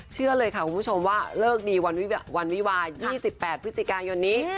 เชื่อเลยค่ะคุณผู้ชมว่าเลิกดีวันวิวา๒๘พฤศจิกายนนี้